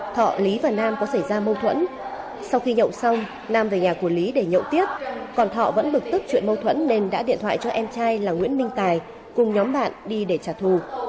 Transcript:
thọ lý và nam có xảy ra mâu thuẫn sau khi nhậu xong nam về nhà của lý để nhậu tiếp còn thọ vẫn bực tức chuyện mâu thuẫn nên đã điện thoại cho em trai là nguyễn minh tài cùng nhóm bạn đi để trả thù